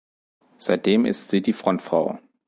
Seitdem ist sie die Frontfrau.